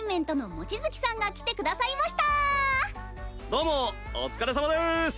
どうもお疲れさまです！